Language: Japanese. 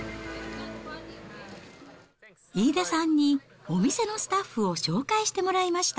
飯田さんに、お店のスタッフを紹介してもらいました。